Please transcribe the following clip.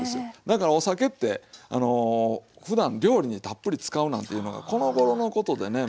だからお酒ってふだん料理にたっぷり使うなんていうのがこのごろのことでね。